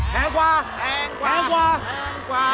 แพงกว่าแพงกว่า